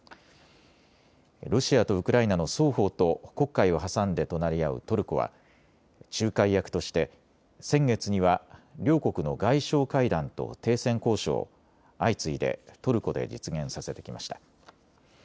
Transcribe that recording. ロシアとウクライナの双方と黒海を挟んで隣り合うトルコは仲介役として先月には両国の外相会談と停戦交渉を相次いでトルコで実現させてきました。